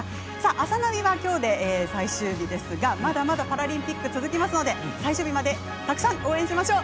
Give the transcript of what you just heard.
「あさナビ」はきょうで最終日ですが、まだまだパラリンピック続きますので最終日までたくさん応援しましょう。